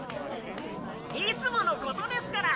いつものことですから。